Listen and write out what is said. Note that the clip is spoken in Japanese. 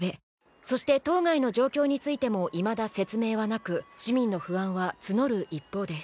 そして島外の状況についてもいまだ説明はなく市民の不安は募る一方です。